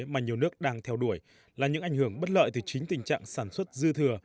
mà nhiều nước đang theo đuổi là những ảnh hưởng bất lợi từ chính tình trạng sản xuất dư thừa